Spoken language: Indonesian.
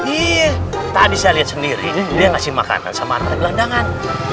iya tadi saya lihat sendiri dia ngasih makanan sama anak gelandangan